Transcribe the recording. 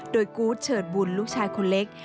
โดยกูธเฉิดบุญลูกชายคนเล็ก